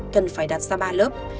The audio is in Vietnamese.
cần phải đặt ra ba lớp